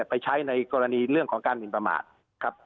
ไปใช้ในกรณีเรื่องของการหมินประมาทครับ